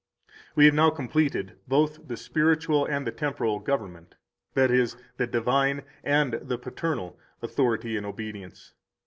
180 We have now completed both the spiritual and the temporal government, that is, the divine and the paternal authority and obedience.